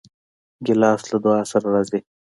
ګیلاس له دعا سره راځي.